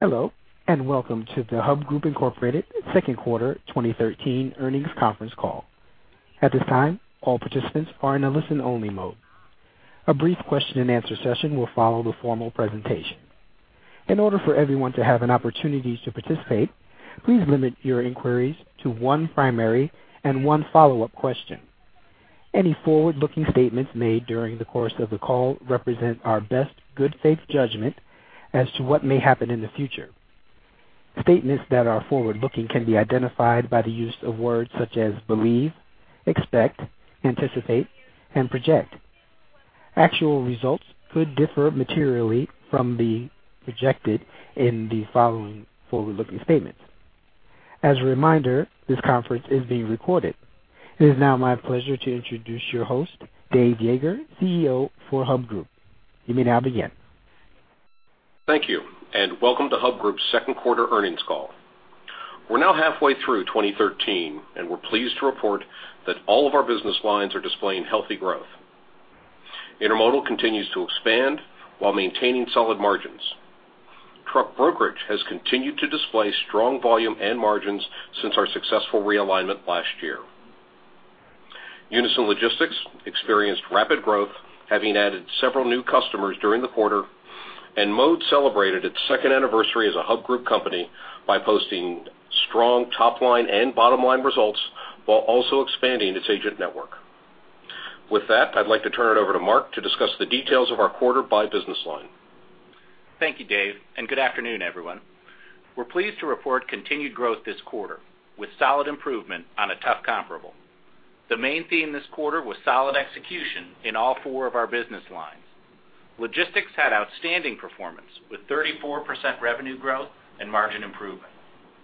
Hello, and welcome to the Hub Group Incorporated Second Quarter 2013 Earnings Conference Call. At this time, all participants are in a listen-only mode. A brief question-and-answer session will follow the formal presentation. In order for everyone to have an opportunity to participate, please limit your inquiries to one primary and one follow-up question. Any forward-looking statements made during the course of the call represent our best good faith judgment as to what may happen in the future. Statements that are forward-looking can be identified by the use of words such as believe, expect, anticipate, and project. Actual results could differ materially from the projected in the following forward-looking statements. As a reminder, this conference is being recorded. It is now my pleasure to introduce your host, David Yeager, CEO for Hub Group. You may now begin. Thank you, and welcome to Hub Group's second quarter earnings call. We're now halfway through 2013, and we're pleased to report that all of our business lines are displaying healthy growth. Intermodal continues to expand while maintaining solid margins. Truck brokerage has continued to display strong volume and margins since our successful realignment last year. Unyson Logistics experienced rapid growth, having added several new customers during the quarter, and Mode celebrated its second anniversary as a Hub Group company by posting strong top-line and bottom-line results while also expanding its agent network. With that, I'd like to turn it over to Mark to discuss the details of our quarter by business line. Thank you, Dave, and good afternoon, everyone. We're pleased to report continued growth this quarter with solid improvement on a tough comparable. The main theme this quarter was solid execution in all four of our business lines. Logistics had outstanding performance, with 34% revenue growth and margin improvement.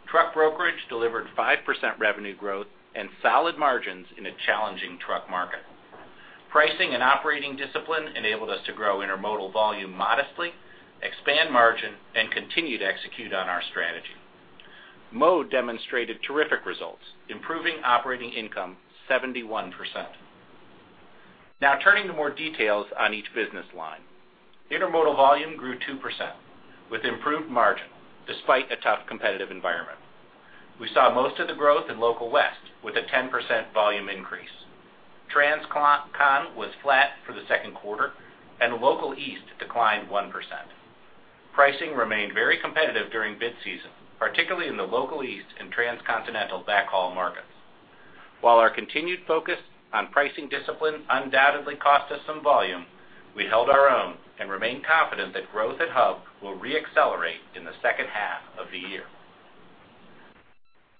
Truck brokerage delivered 5% revenue growth and solid margins in a challenging truck market. Pricing and operating discipline enabled us to grow intermodal volume modestly, expand margin, and continue to execute on our strategy. Mode demonstrated terrific results, improving operating income 71%. Now, turning to more details on each business line. Intermodal volume grew 2% with improved margin despite a tough competitive environment. We saw most of the growth in Local West, with a 10% volume increase. Transcon was flat for the second quarter, and Local East declined 1%. Pricing remained very competitive during bid season, particularly in the Local East and transcontinental backhaul markets. While our continued focus on pricing discipline undoubtedly cost us some volume, we held our own and remain confident that growth at Hub will re-accelerate in the second half of the year.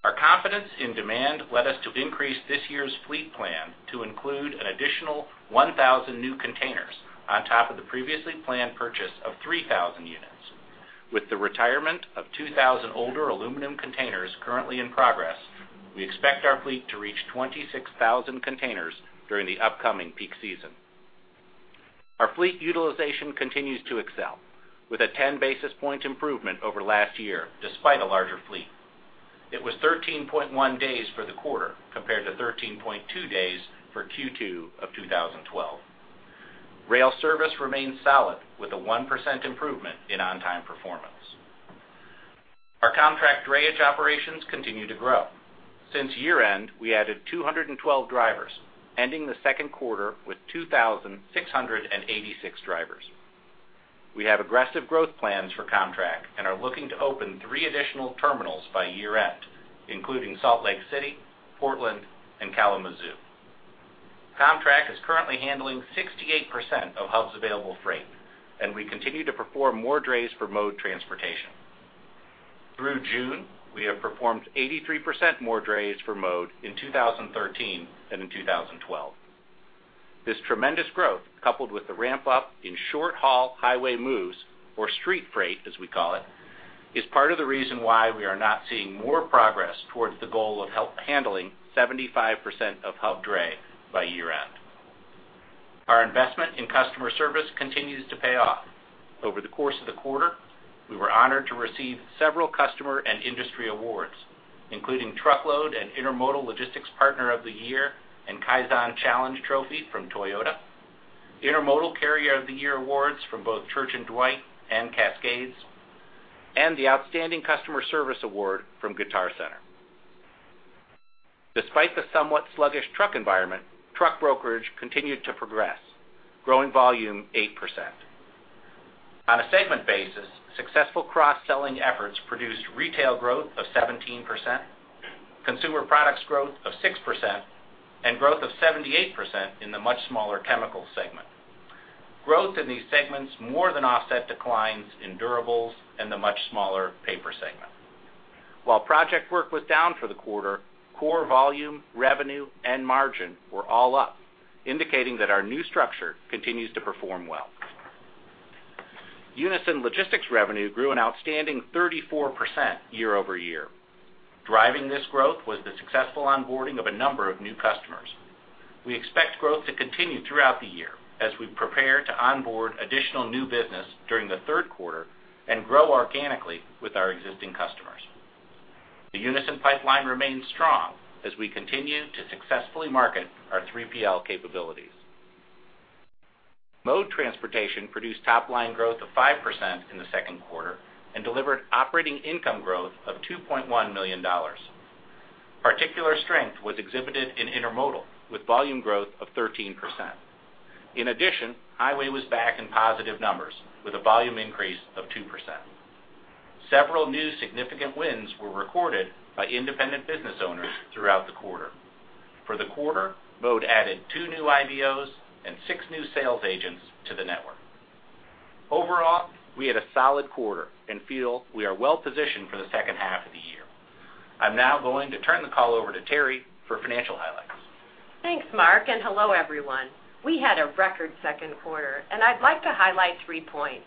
Our confidence in demand led us to increase this year's fleet plan to include an additional 1,000 new containers on top of the previously planned purchase of 3,000 units. With the retirement of 2,000 older aluminum containers currently in progress, we expect our fleet to reach 26,000 containers during the upcoming peak season. Our fleet utilization continues to excel, with a 10 basis point improvement over last year, despite a larger fleet. It was 13.1 days for the quarter, compared to 13.2 days for Q2 of 2012. Rail service remains solid, with a 1% improvement in on-time performance. Our Comtrak drayage operations continue to grow. Since year-end, we added 212 drivers, ending the second quarter with 2,686 drivers. We have aggressive growth plans for Comtrak and are looking to open 3 additional terminals by year-end, including Salt Lake City, Portland, and Kalamazoo. Comtrak is currently handling 68% of Hub's available freight, and we continue to perform more drays for Mode Transportation. Through June, we have performed 83% more drays for Mode in 2013 than in 2012. This tremendous growth, coupled with the ramp-up in short-haul highway moves, or street freight, as we call it, is part of the reason why we are not seeing more progress towards the goal of handling 75% of Hub dray by year-end. Our investment in customer service continues to pay off. Over the course of the quarter, we were honored to receive several customer and industry awards, including Truckload and Intermodal Logistics Partner of the Year and Kaizen Challenge Trophy from Toyota, Intermodal Carrier of the Year awards from both Church & Dwight and Cascades, and the Outstanding Customer Service Award from Guitar Center. Despite the somewhat sluggish truck environment, truck brokerage continued to progress, growing volume 8%. On a segment basis, successful cross-selling efforts produced retail growth of 17%, consumer products growth of 6%, and growth of 78% in the much smaller chemical segment. Growth in these segments more than offset declines in durables and the much smaller paper segment. While project work was down for the quarter, core volume, revenue, and margin were all up, indicating that our new structure continues to perform well. Unyson Logistics revenue grew an outstanding 34% year-over-year. Driving this growth was the successful onboarding of a number of new customers. We expect growth to continue throughout the year as we prepare to onboard additional new business during the third quarter and grow organically with our existing customers. The Unyson pipeline remains strong as we continue to successfully market our 3PL capabilities. Mode Transportation produced top-line growth of 5% in the second quarter and delivered operating income growth of $2.1 million. Particular strength was exhibited in Intermodal, with volume growth of 13%. In addition, Highway was back in positive numbers, with a volume increase of 2%. Several new significant wins were recorded by independent business owners throughout the quarter. For the quarter, Mode added 2 new IBOs and 6 new sales agents to the network. Overall, we had a solid quarter and feel we are well-positioned for the second half of the year. I'm now going to turn the call over to Terri for financial highlights. Thanks, Mark, and hello, everyone. We had a record second quarter, and I'd like to highlight three points.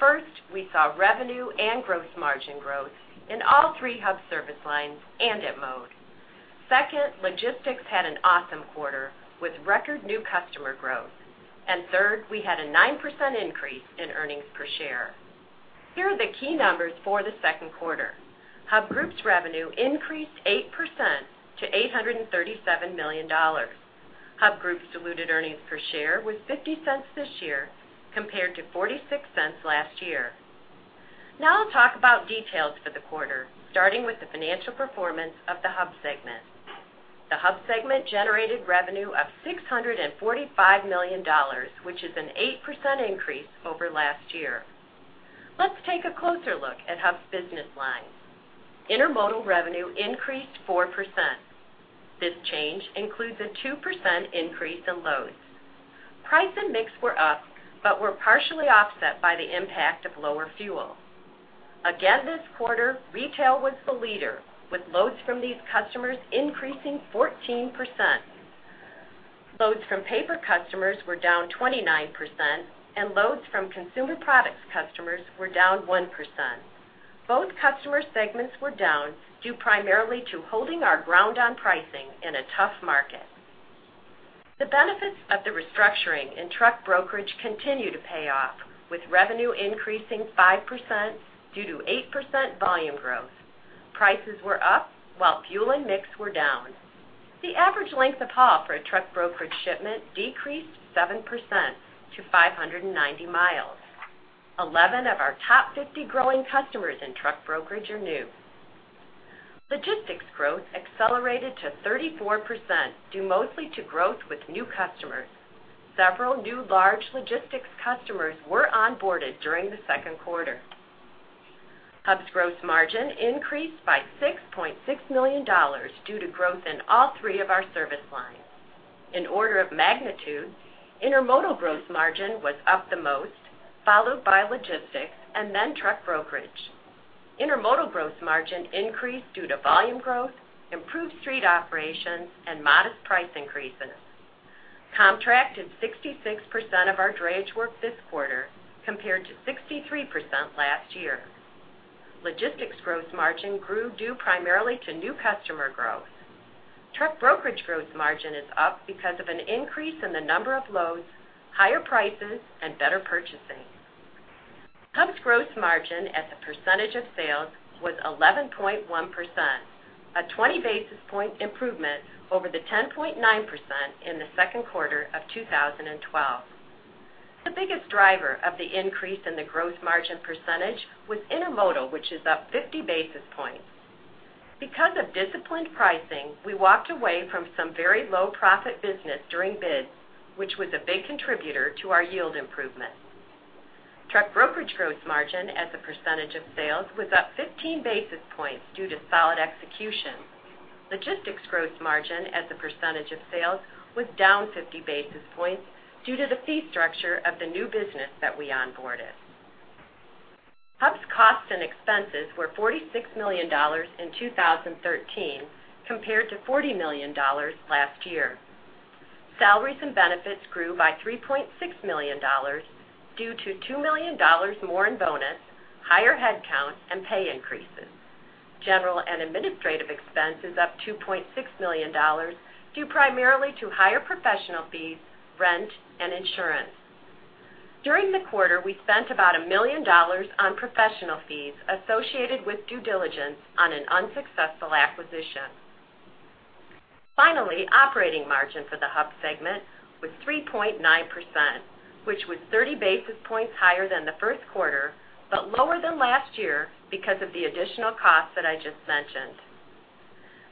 First, we saw revenue and gross margin growth in all three Hub service lines and at Mode. Second, Logistics had an awesome quarter, with record new customer growth. And third, we had a 9% increase in earnings per share. Here are the key numbers for the second quarter. Hub Group's revenue increased 8% to $837 million. Hub Group's diluted earnings per share was $0.50 this year, compared to $0.46 last year. Now I'll talk about details for the quarter, starting with the financial performance of the Hub segment. The Hub segment generated revenue of $645 million, which is an 8% increase over last year. Let's take a closer look at Hub's business lines. Intermodal revenue increased 4%. This change includes a 2% increase in loads. Price and mix were up, but were partially offset by the impact of lower fuel. Again, this quarter, retail was the leader, with loads from these customers increasing 14%. Loads from paper customers were down 29%, and loads from consumer products customers were down 1%. Both customer segments were down, due primarily to holding our ground on pricing in a tough market. The benefits of the restructuring in truck brokerage continue to pay off, with revenue increasing 5% due to 8% volume growth. Prices were up, while fuel and mix were down. The average length of haul for a truck brokerage shipment decreased 7% to 590 miles. 11 of our top 50 growing customers in truck brokerage are new. Logistics growth accelerated to 34%, due mostly to growth with new customers. Several new large logistics customers were onboarded during the second quarter. Hub's gross margin increased by $6.6 million due to growth in all three of our service lines. In order of magnitude, Intermodal gross margin was up the most, followed by Logistics, and then Truck Brokerage. Intermodal gross margin increased due to volume growth, improved street operations, and modest price increases. Comtrak is 66% of our drayage work this quarter, compared to 63% last year. Logistics gross margin grew due primarily to new customer growth. Truck brokerage gross margin is up because of an increase in the number of loads, higher prices, and better purchasing. Hub's gross margin as a percentage of sales was 11.1%, a 20 basis point improvement over the 10.9% in the second quarter of 2012. The biggest driver of the increase in the gross margin percentage was Intermodal, which is up 50 basis points. Because of disciplined pricing, we walked away from some very low-profit business during bids, which was a big contributor to our yield improvement. Truck brokerage gross margin as a percentage of sales was up 15 basis points due to solid execution. Logistics gross margin as a percentage of sales was down 50 basis points due to the fee structure of the new business that we onboarded. Hub's costs and expenses were $46 million in 2013, compared to $40 million last year. Salaries and benefits grew by $3.6 million due to $2 million more in bonus, higher headcount, and pay increases. General and administrative expense is up $2.6 million, due primarily to higher professional fees, rent, and insurance. During the quarter, we spent about $1 million on professional fees associated with due diligence on an unsuccessful acquisition. Finally, operating margin for the Hub segment was 3.9%, which was 30 basis points higher than the first quarter, but lower than last year because of the additional costs that I just mentioned.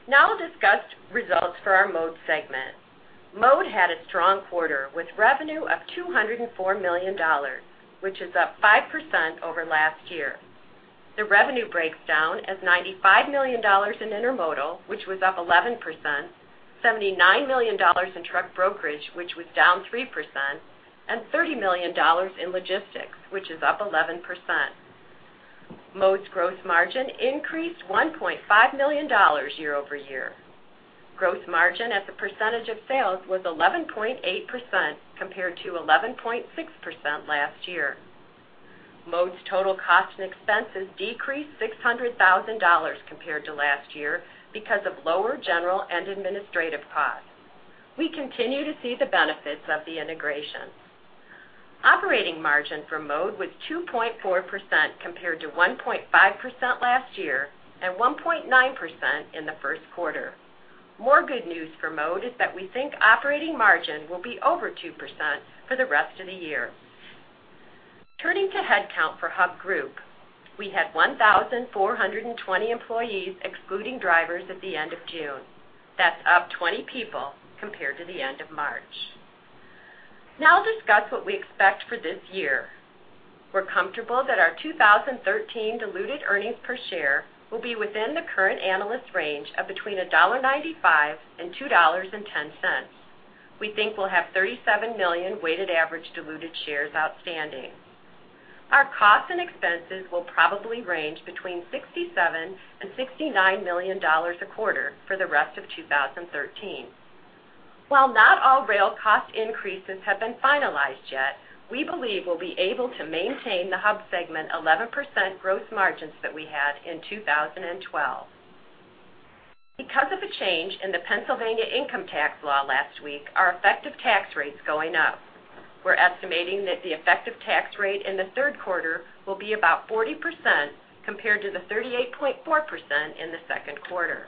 Now I'll discuss results for our Mode segment. Mode had a strong quarter, with revenue of $204 million, which is up 5% over last year. The revenue breaks down as $95 million in Intermodal, which was up 11%, $79 million in truck brokerage, which was down 3%, and $30 million in Logistics, which is up 11%. Mode's gross margin increased $1.5 million year-over-year. Gross margin as a percentage of sales was 11.8%, compared to 11.6% last year. Mode's total cost and expenses decreased $600,000 compared to last year because of lower general and administrative costs. We continue to see the benefits of the integration. Operating margin for Mode was 2.4%, compared to 1.5% last year and 1.9% in the first quarter. More good news for Mode is that we think operating margin will be over 2% for the rest of the year. Turning to headcount for Hub Group, we had 1,420 employees, excluding drivers, at the end of June. That's up 20 people compared to the end of March. Now I'll discuss what we expect for this year. We're comfortable that our 2013 diluted earnings per share will be within the current analyst range of between $1.95 and $2.10. We think we'll have 37 million weighted average diluted shares outstanding. Our costs and expenses will probably range between $67 million and $69 million a quarter for the rest of 2013. While not all rail cost increases have been finalized yet, we believe we'll be able to maintain the Hub segment 11% gross margins that we had in 2012. Because of a change in the Pennsylvania income tax law last week, our effective tax rate is going up. We're estimating that the effective tax rate in the third quarter will be about 40%, compared to the 38.4% in the second quarter.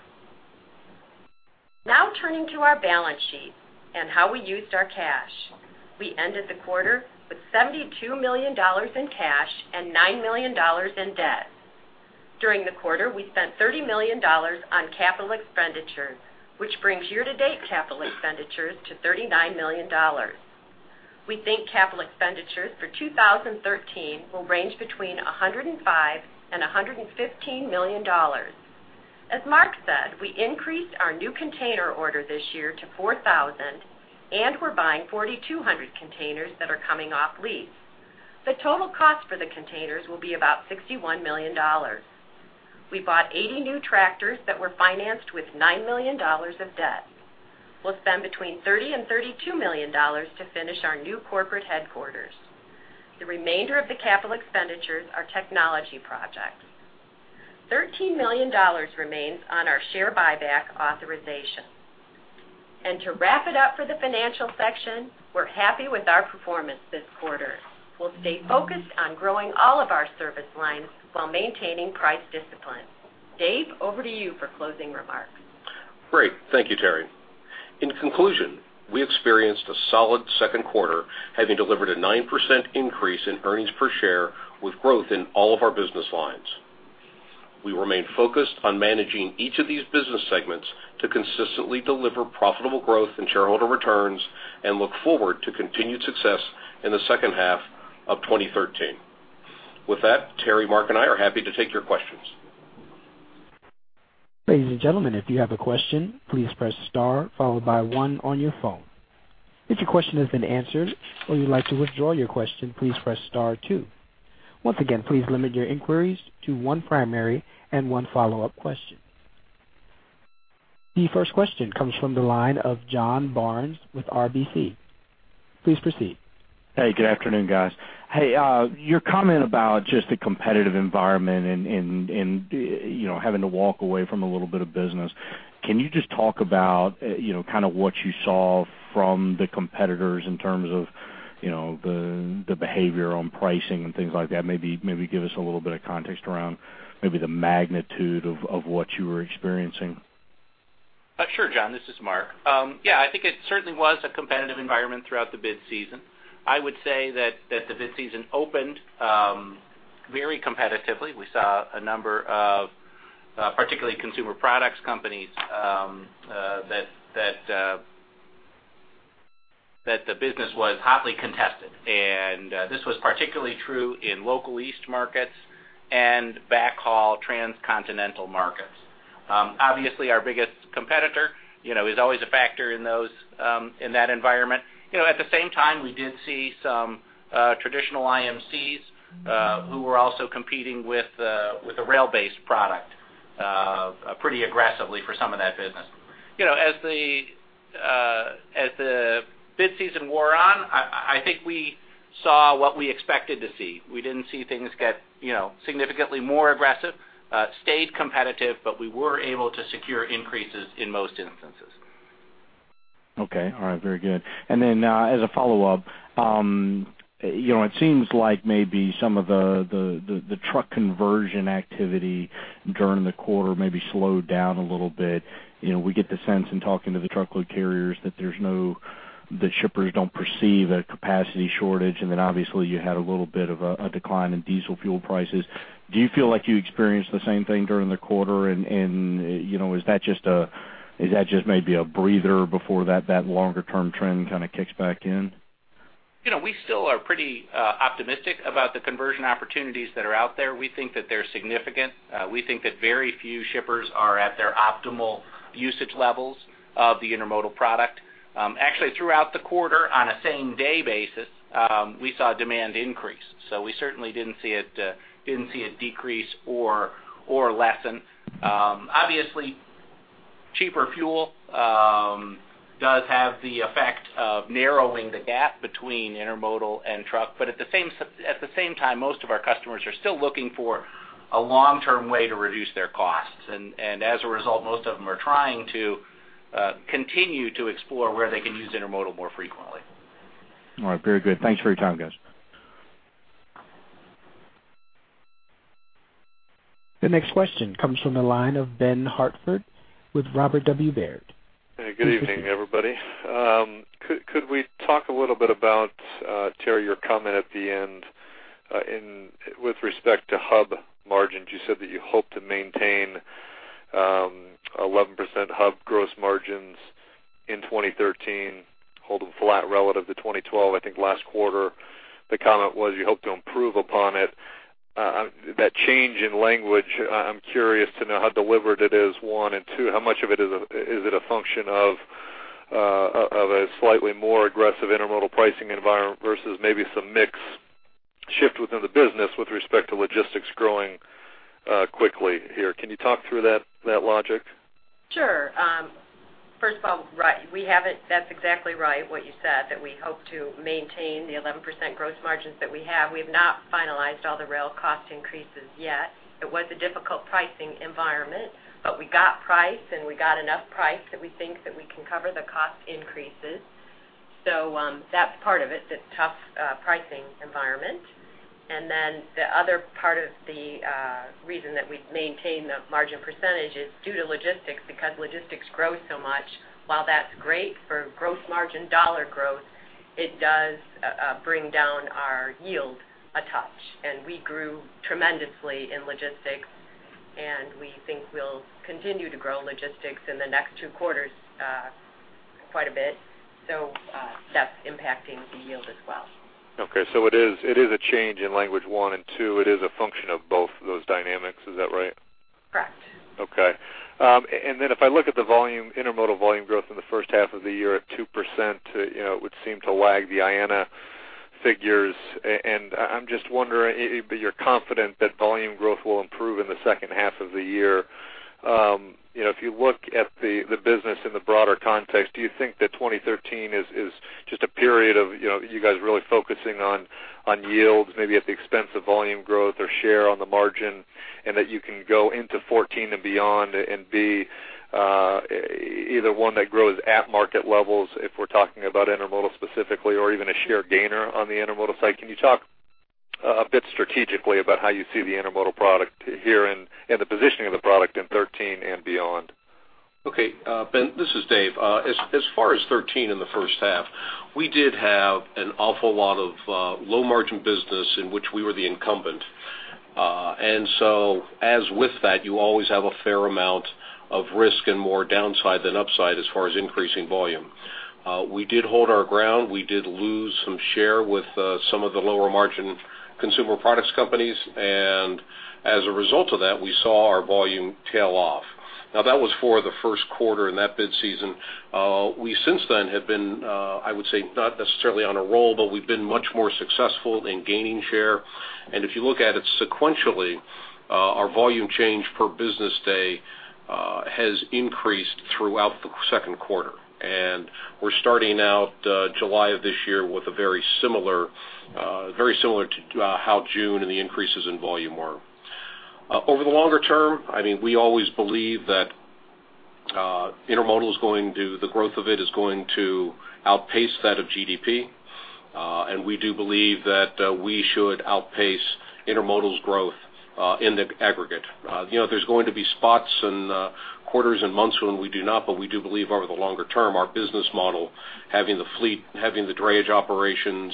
Now, turning to our balance sheet and how we used our cash. We ended the quarter with $72 million in cash and $9 million in debt. During the quarter, we spent $30 million on capital expenditures, which brings year-to-date capital expenditures to $39 million. We think capital expenditures for 2013 will range between $105-$115 million. As Mark said, we increased our new container order this year to 4,000, and we're buying 4,200 containers that are coming off lease. The total cost for the containers will be about $61 million. We bought 80 new tractors that were financed with $9 million of debt. We'll spend between $30-$32 million to finish our new corporate headquarters. The remainder of the capital expenditures are technology projects. $13 million remains on our share buyback authorization. To wrap it up for the financial section, we're happy with our performance this quarter. We'll stay focused on growing all of our service lines while maintaining price discipline. Dave, over to you for closing remarks. Great, thank you, Terri. In conclusion, we experienced a solid second quarter, having delivered a 9% increase in earnings per share, with growth in all of our business lines. We remain focused on managing each of these business segments to consistently deliver profitable growth and shareholder returns, and look forward to continued success in the second half of 2013. With that, Terri, Mark, and I are happy to take your questions. Ladies and gentlemen, if you have a question, please press star, followed by one on your phone. If your question has been answered or you'd like to withdraw your question, please press star two. Once again, please limit your inquiries to one primary and one follow-up question. The first question comes from the line of John Barnes with RBC. Please proceed. Hey, good afternoon, guys. Hey, your comment about just the competitive environment and, you know, having to walk away from a little bit of business, can you just talk about, you know, kind of what you saw from the competitors in terms of, you know, the behavior on pricing and things like that? Maybe give us a little bit of context around maybe the magnitude of what you were experiencing. Sure, John, this is Mark. Yeah, I think it certainly was a competitive environment throughout the bid season. I would say that the bid season opened very competitively. We saw a number of particularly consumer products companies that the business was hotly contested, and this was particularly true in local East markets and backhaul transcontinental markets. Obviously, our biggest competitor, you know, is always a factor in those, in that environment. You know, at the same time, we did see some traditional IMCs who were also competing with a rail-based product pretty aggressively for some of that business. You know, as the bid season wore on, I think we saw what we expected to see. We didn't see things get, you know, significantly more aggressive, stayed competitive, but we were able to secure increases in most instances. Okay. All right. Very good. And then, as a follow-up, you know, it seems like maybe some of the truck conversion activity during the quarter maybe slowed down a little bit. You know, we get the sense in talking to the truckload carriers that that shippers don't perceive a capacity shortage, and then obviously, you had a little bit of a decline in diesel fuel prices. Do you feel like you experienced the same thing during the quarter, and, you know, is that just maybe a breather before that longer-term trend kind of kicks back in? You know, we still are pretty optimistic about the conversion opportunities that are out there. We think that they're significant. We think that very few shippers are at their optimal usage levels of the intermodal product. Actually, throughout the quarter, on a same-day basis, we saw demand increase, so we certainly didn't see it decrease or lessen. Obviously, cheaper fuel does have the effect of narrowing the gap between intermodal and truck, but at the same time, most of our customers are still looking for a long-term way to reduce their costs. As a result, most of them are trying to continue to explore where they can use intermodal more frequently. All right. Very good. Thanks for your time, guys. The next question comes from the line of Ben Hartford with Robert W. Baird. Good evening, everybody. Could we talk a little bit about Terry, your comment at the end in with respect to Hub margins? You said that you hope to maintain 11% Hub gross margins in 2013, hold them flat relative to 2012. I think last quarter, the comment was you hope to improve upon it. That change in language, I'm curious to know how deliberate it is, one, and two, how much of it is it a function of a slightly more aggressive intermodal pricing environment versus maybe some mix shift within the business with respect to logistics growing quickly here? Can you talk through that logic? Sure. First of all, right, we haven't—that's exactly right, what you said, that we hope to maintain the 11% gross margins that we have. We have not finalized all the rail cost increases yet. It was a difficult pricing environment, but we got price, and we got enough price that we think that we can cover the cost increases. So, that's part of it, the tough pricing environment. And then the other part of the reason that we maintain the margin percentage is due to logistics, because logistics grows so much. While that's great for gross margin dollar growth, it does bring down our yield a touch, and we grew tremendously in logistics, and we think we'll continue to grow logistics in the next two quarters, quite a bit. So, that's impacting the yield as well. Okay, so it is, it is a change in language, one, and two, it is a function of both of those dynamics. Is that right? Correct. Okay. And then if I look at the volume, intermodal volume growth in the first half of the year at 2%, you know, it would seem to lag the IANA figures. And I'm just wondering, but you're confident that volume growth will improve in the second half of the year. You know, if you look at the business in the broader context, do you think that 2013 is just a period of, you know, you guys really focusing on yields, maybe at the expense of volume growth or share on the margin, and that you can go into 2014 and beyond and be either one that grows at market levels, if we're talking about intermodal specifically, or even a share gainer on the intermodal side? Can you talk a bit strategically about how you see the Intermodal product here and the positioning of the product in 2013 and beyond? Okay, Ben, this is Dave. As, as far as 13 in the first half, we did have an awful lot of low-margin business in which we were the incumbent. And so as with that, you always have a fair amount of risk and more downside than upside as far as increasing volume. We did hold our ground. We did lose some share with some of the lower-margin consumer products companies, and as a result of that, we saw our volume tail off. Now, that was for the first quarter in that bid season. We since then have been, I would say, not necessarily on a roll, but we've been much more successful in gaining share. If you look at it sequentially, our volume change per business day has increased throughout the second quarter, and we're starting out July of this year with a very similar, very similar to how June and the increases in volume were. Over the longer term, I mean, we always believe that intermodal is going to, the growth of it is going to outpace that of GDP. We do believe that we should outpace intermodal's growth in the aggregate. You know, there's going to be spots and quarters and months when we do not, but we do believe over the longer term, our business model, having the fleet, having the drayage operations,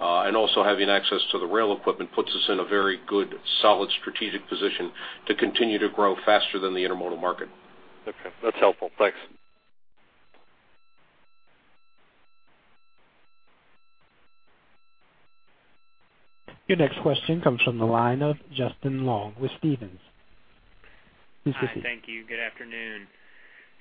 and also having access to the rail equipment, puts us in a very good, solid, strategic position to continue to grow faster than the intermodal market. Okay, that's helpful. Thanks. Your next question comes from the line of Justin Long with Stephens. Hi. Thank you. Good afternoon.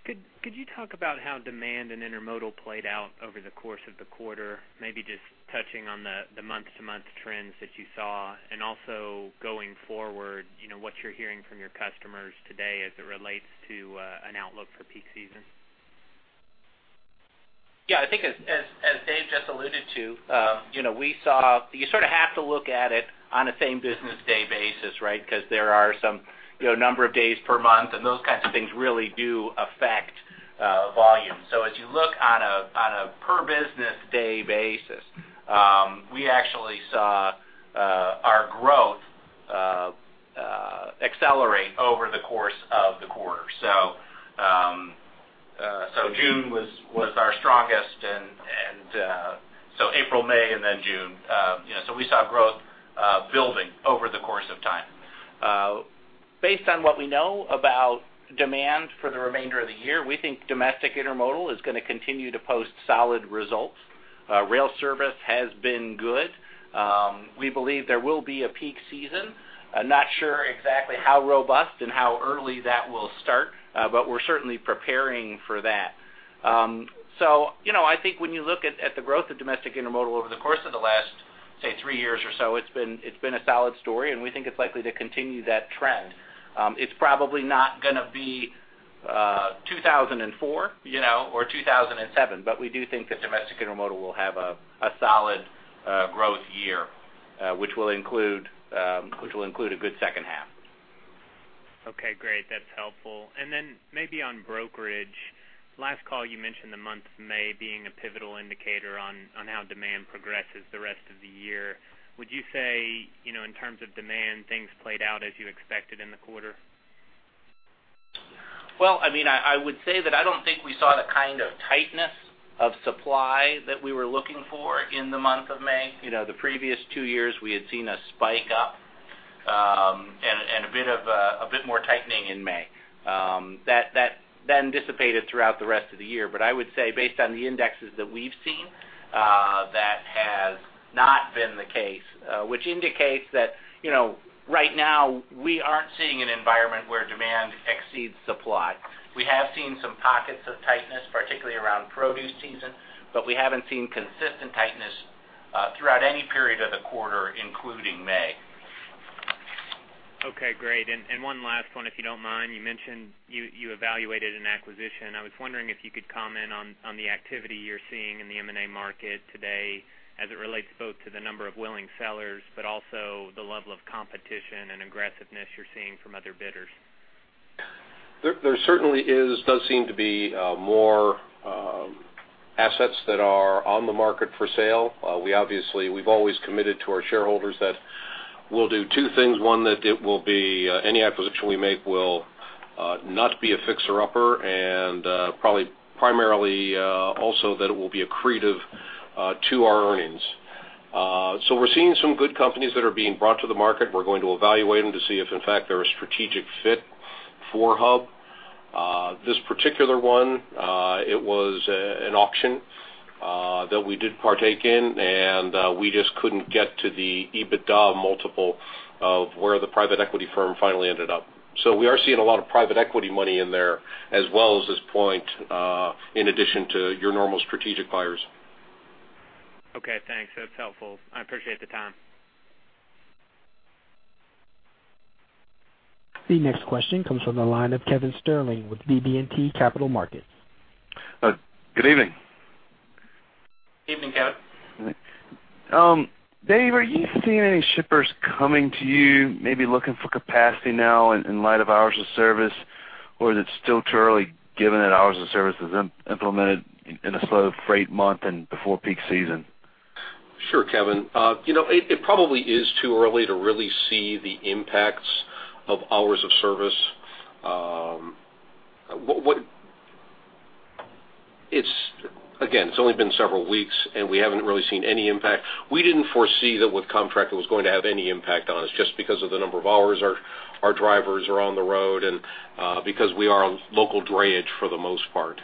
Could you talk about how demand and intermodal played out over the course of the quarter? Maybe just touching on the month-to-month trends that you saw, and also going forward, you know, what you're hearing from your customers today as it relates to an outlook for peak season. Yeah, I think as Dave just alluded to, you know, we saw... You sort of have to look at it on a same business day basis, right? Because there are some, you know, number of days per month, and those kinds of things really do affect volume. So as you look on a per business day basis, we actually saw our growth accelerate over the course of the quarter. So June was our strongest, so April, May, and then June. You know, so we saw growth building over the course of time. Based on what we know about demand for the remainder of the year, we think domestic intermodal is going to continue to post solid results. Rail service has been good. We believe there will be a peak season. I'm not sure exactly how robust and how early that will start, but we're certainly preparing for that. So you know, I think when you look at the growth of domestic intermodal over the course of the last, say, three years or so, it's been a solid story, and we think it's likely to continue that trend. It's probably not gonna be 2004, you know, or 2007, but we do think that domestic intermodal will have a solid growth year, which will include a good second half.... Okay, great. That's helpful. And then maybe on brokerage, last call, you mentioned the month of May being a pivotal indicator on, on how demand progresses the rest of the year. Would you say, you know, in terms of demand, things played out as you expected in the quarter? Well, I mean, I, I would say that I don't think we saw the kind of tightness of supply that we were looking for in the month of May. You know, the previous two years, we had seen a spike up, and a bit more tightening in May. That then dissipated throughout the rest of the year. But I would say, based on the indexes that we've seen, that has not been the case, which indicates that, you know, right now, we aren't seeing an environment where demand exceeds supply. We have seen some pockets of tightness, particularly around produce season, but we haven't seen consistent tightness, throughout any period of the quarter, including May. Okay, great. And one last one, if you don't mind. You mentioned you evaluated an acquisition. I was wondering if you could comment on the activity you're seeing in the M&A market today as it relates both to the number of willing sellers, but also the level of competition and aggressiveness you're seeing from other bidders. There certainly does seem to be more assets that are on the market for sale. We obviously, we've always committed to our shareholders that we'll do two things. One, that it will be, any acquisition we make will, not be a fixer-upper, and, probably primarily, also that it will be accretive, to our earnings. So we're seeing some good companies that are being brought to the market. We're going to evaluate them to see if, in fact, they're a strategic fit for Hub. This particular one, it was, an auction, that we did partake in, and, we just couldn't get to the EBITDA multiple of where the private equity firm finally ended up. So we are seeing a lot of private equity money in there, as well as this point, in addition to your normal strategic buyers. Okay, thanks. That's helpful. I appreciate the time. The next question comes from the line of Kevin Sterling with BB&T Capital Markets. Good evening. Evening, Kevin. Dave, are you seeing any shippers coming to you, maybe looking for capacity now in light of hours of service, or is it still too early, given that hours of service is implemented in a slow freight month and before peak season? Sure, Kevin. You know, it probably is too early to really see the impacts of hours of service. It's, again, it's only been several weeks, and we haven't really seen any impact. We didn't foresee that with contract it was going to have any impact on us, just because of the number of hours our drivers are on the road and because we are a local drayage for the most part.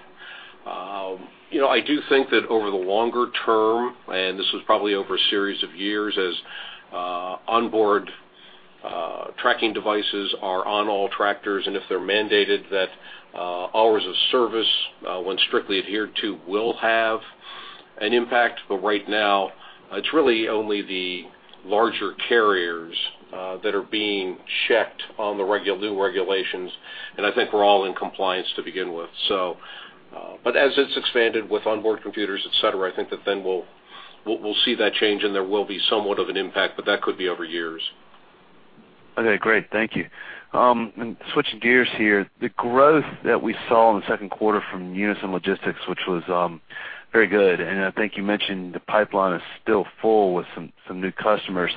You know, I do think that over the longer term, and this is probably over a series of years, as onboard tracking devices are on all tractors, and if they're mandated, that hours of service when strictly adhered to will have an impact. But right now, it's really only the larger carriers that are being checked on the regulatory new regulations, and I think we're all in compliance to begin with. So, but as it's expanded with onboard computers, et cetera, I think that then we'll see that change, and there will be somewhat of an impact, but that could be over years. Okay, great. Thank you. And switching gears here, the growth that we saw in the second quarter from Unyson Logistics, which was very good, and I think you mentioned the pipeline is still full with some new customers.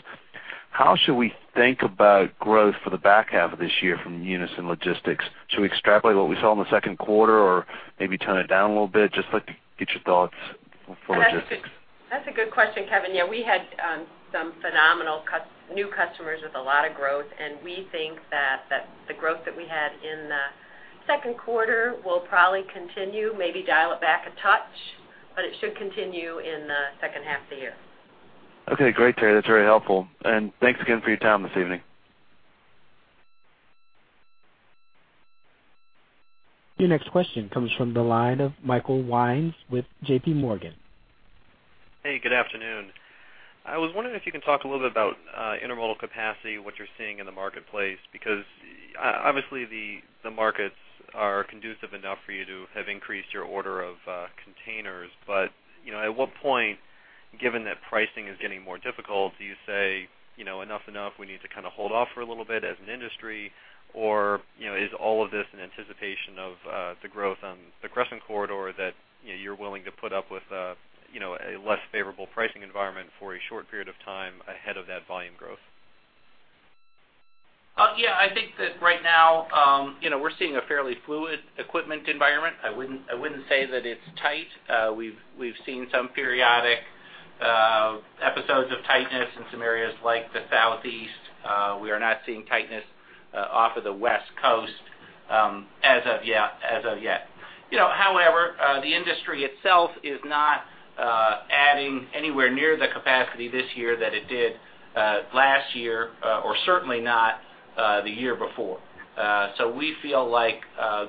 How should we think about growth for the back half of this year from Unyson Logistics? Should we extrapolate what we saw in the second quarter, or maybe tone it down a little bit? Just like to get your thoughts for logistics. That's a good question, Kevin. Yeah, we had some phenomenal new customers with a lot of growth, and we think that the growth that we had in the second quarter will probably continue, maybe dial it back a touch, but it should continue in the second half of the year. Okay, great, Terri. That's very helpful. Thanks again for your time this evening. Your next question comes from the line of Tom Wadewitz with JPMorgan. Hey, good afternoon. I was wondering if you could talk a little bit about intermodal capacity, what you're seeing in the marketplace, because obviously, the markets are conducive enough for you to have increased your order of containers. But, you know, at what point, given that pricing is getting more difficult, do you say, you know, "Enough, enough, we need to kind of hold off for a little bit as an industry," or, you know, is all of this in anticipation of the growth on the Crescent Corridor that, you know, you're willing to put up with a less favorable pricing environment for a short period of time ahead of that volume growth? Yeah, I think that right now, you know, we're seeing a fairly fluid equipment environment. I wouldn't say that it's tight. We've seen some periodic episodes of tightness in some areas like the Southeast. We are not seeing tightness off of the West Coast, as of yet. You know, however, the industry itself is not adding anywhere near the capacity this year that it did last year, or certainly not the year before. So we feel like,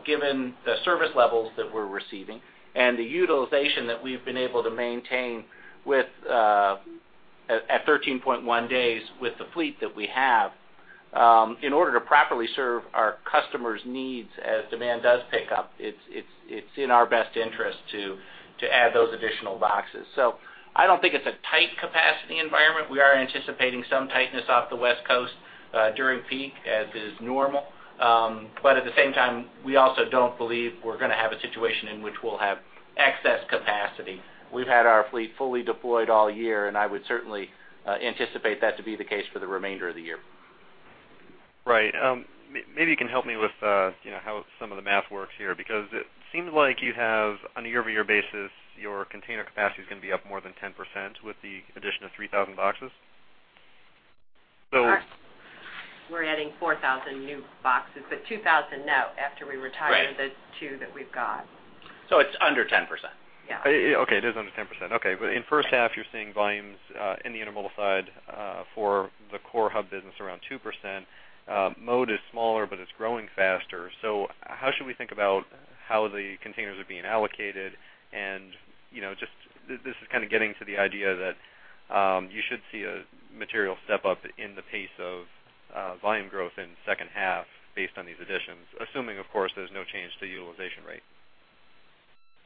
given the service levels that we're receiving and the utilization that we've been able to maintain with at 13.1 days with the fleet that we have, in order to properly serve our customers' needs as demand does pick up, it's in our best interest to add those additional boxes. So I don't think it's a tight capacity environment. We are anticipating some tightness off the West Coast.... during peak, as is normal. But at the same time, we also don't believe we're gonna have a situation in which we'll have excess capacity. We've had our fleet fully deployed all year, and I would certainly anticipate that to be the case for the remainder of the year. Right. Maybe you can help me with, you know, how some of the math works here, because it seems like you have, on a year-over-year basis, your container capacity is gonna be up more than 10% with the addition of 3,000 boxes? So- We're adding 4,000 new boxes, but 2,000 net after we retire- Right. the two that we've got. It's under 10%. Yeah. Okay, it is under 10%. Okay, but in first half, you're seeing volumes in the intermodal side for the core Hub business around 2%. Mode is smaller, but it's growing faster. So how should we think about how the containers are being allocated? And, you know, just, this is kind of getting to the idea that you should see a material step-up in the pace of volume growth in second half based on these additions, assuming, of course, there's no change to utilization rate.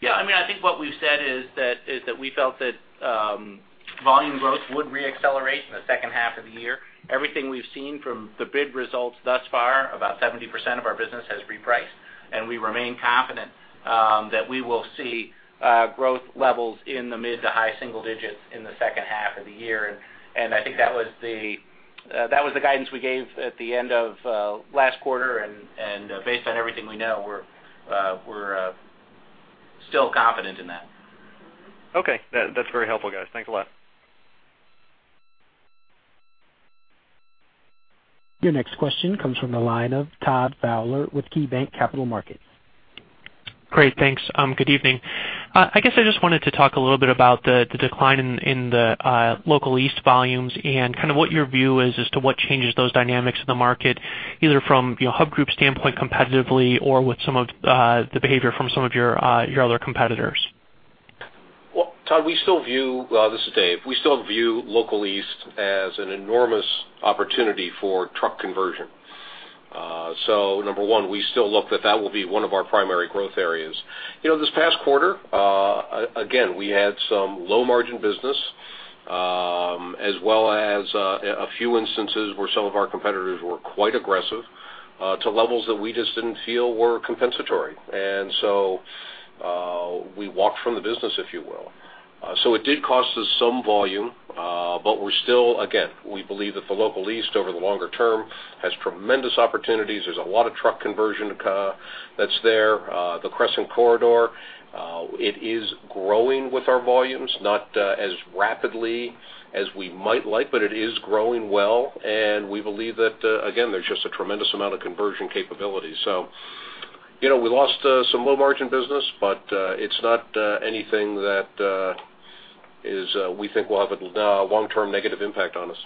Yeah, I mean, I think what we've said is that we felt that volume growth would reaccelerate in the second half of the year. Everything we've seen from the bid results thus far, about 70% of our business has repriced, and we remain confident that we will see growth levels in the mid- to high-single digits in the second half of the year. And I think that was the guidance we gave at the end of last quarter, and based on everything we know, we're still confident in that. Okay. That's very helpful, guys. Thanks a lot. Your next question comes from the line of Todd Fowler with KeyBanc Capital Markets. Great, thanks. Good evening. I guess I just wanted to talk a little bit about the decline in the local East volumes and kind of what your view is as to what changes those dynamics in the market, either from, you know, Hub Group standpoint competitively or with some of the behavior from some of your other competitors. Well, Todd, we still view—this is Dave. We still view local East as an enormous opportunity for truck conversion. So number one, we still look that that will be one of our primary growth areas. You know, this past quarter, again, we had some low-margin business, as well as a few instances where some of our competitors were quite aggressive, to levels that we just didn't feel were compensatory. And so, we walked from the business, if you will. So it did cost us some volume, but we're still, again, we believe that the local East, over the longer term, has tremendous opportunities. There's a lot of truck conversion capacity that's there. The Crescent Corridor, it is growing with our volumes, not as rapidly as we might like, but it is growing well, and we believe that, again, there's just a tremendous amount of conversion capability. So, you know, we lost some low-margin business, but it's not anything that is we think will have a long-term negative impact on us.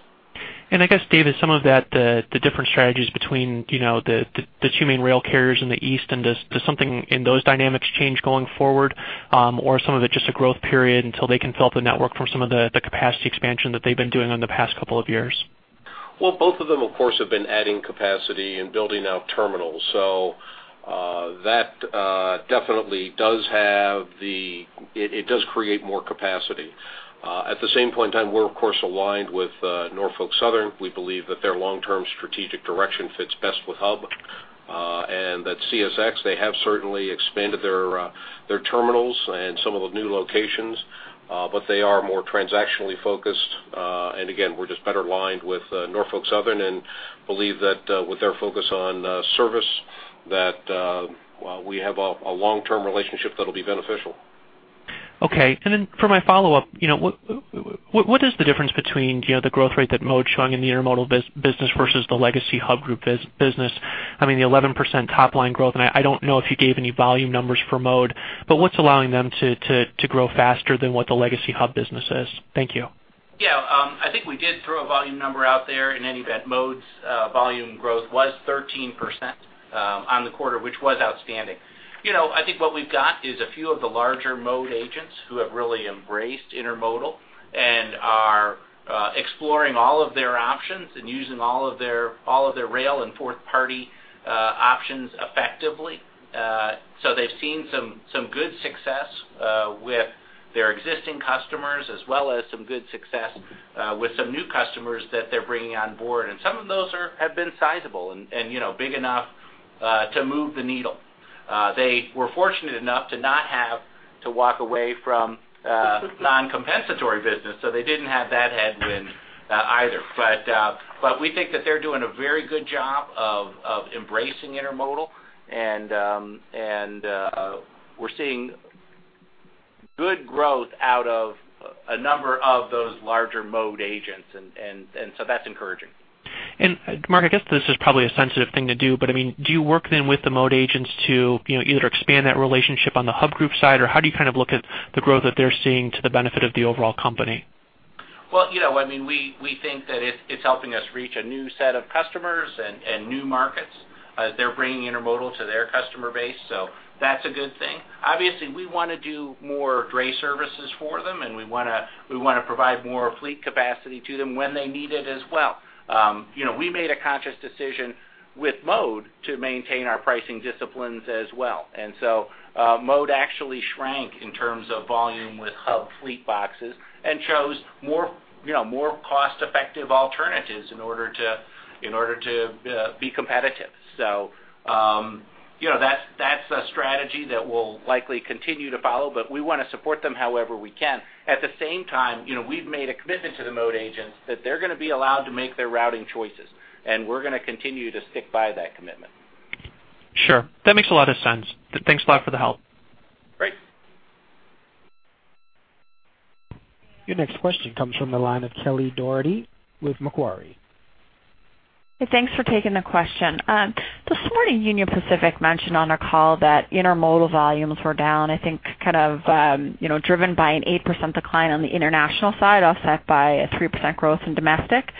I guess, Dave, is some of that, the, the different strategies between, you know, the, the, the two main rail carriers in the East, and does, does something in those dynamics change going forward, or some of it just a growth period until they can fill up the network from some of the, the capacity expansion that they've been doing in the past couple of years? Well, both of them, of course, have been adding capacity and building out terminals. So, that definitely does have the... It does create more capacity. At the same point in time, we're, of course, aligned with Norfolk Southern. We believe that their long-term strategic direction fits best with Hub, and that CSX, they have certainly expanded their terminals and some of the new locations, but they are more transactionally focused. And again, we're just better aligned with Norfolk Southern and believe that, with their focus on service, that, well, we have a long-term relationship that'll be beneficial. Okay. And then for my follow-up, you know, what is the difference between, you know, the growth rate that Mode is showing in the intermodal business versus the legacy Hub Group business? I mean, the 11% top-line growth, and I don't know if you gave any volume numbers for Mode, but what's allowing them to grow faster than what the legacy Hub business is? Thank you. Yeah, I think we did throw a volume number out there. In any event, Mode's volume growth was 13%, on the quarter, which was outstanding. You know, I think what we've got is a few of the larger Mode agents who have really embraced intermodal and are exploring all of their options and using all of their rail and fourth-party options effectively. So they've seen some good success with their existing customers, as well as some good success with some new customers that they're bringing on board. And some of those have been sizable and, you know, big enough to move the needle. They were fortunate enough to not have to walk away from non-compensatory business, so they didn't have that headwind either. But we think that they're doing a very good job of embracing intermodal, and we're seeing good growth out of a number of those larger Mode agents, and so that's encouraging. Mark, I guess this is probably a sensitive thing to do, but I mean, do you work then with the Mode agents to, you know, either expand that relationship on the Hub Group side, or how do you kind of look at the growth that they're seeing to the benefit of the overall company? Well, you know, I mean, we think that it's helping us reach a new set of customers and new markets. They're bringing intermodal to their customer base, so that's a good thing. Obviously, we want to do more dray services for them, and we wanna provide more fleet capacity to them when they need it as well. You know, we made a conscious decision with Mode to maintain our pricing disciplines as well. And so, Mode actually shrank in terms of volume with Hub fleet boxes and chose more, you know, more cost-effective alternatives in order to be competitive. So,... You know, that's a strategy that we'll likely continue to follow, but we want to support them however we can. At the same time, you know, we've made a commitment to the mode agents that they're going to be allowed to make their routing choices, and we're going to continue to stick by that commitment. Sure. That makes a lot of sense. Thanks a lot for the help. Great. Your next question comes from the line of Kelly Dougherty with Macquarie Hey, thanks for taking the question. This morning, Union Pacific mentioned on our call that intermodal volumes were down, I think, kind of, you know, driven by an 8% decline on the international side, offset by a 3% growth in domestic.